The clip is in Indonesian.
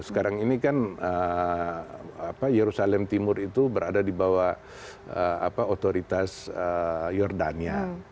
sekarang ini kan yerusalem timur itu berada di bawah otoritas jordania